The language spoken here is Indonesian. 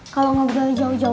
kalau ngobrol jauh jauh